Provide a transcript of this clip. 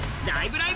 ライブ！」